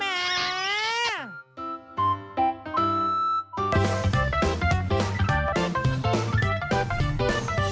โปรดติดตามตอนต่อไป